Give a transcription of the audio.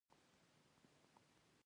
فېسبوک د خلکو د ژوند د رنګارنګۍ عکس دی